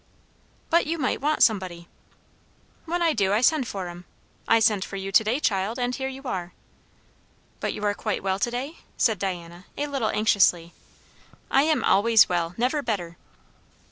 "But you might want somebody." "When I do I send for 'em. I sent for you to day, child; and here you are." "But you are quite well to day?" said Diana a little anxiously. "I am always well. Never better."